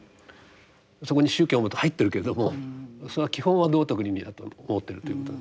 そこに宗教も入ってるけれどもそれは基本は道徳・倫理だと思ってるということなんですよね。